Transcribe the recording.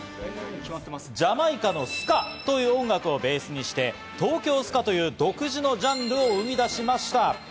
ジャマイカのスカという音楽をベースにしてトーキョースカという独自のジャンルを生み出しました。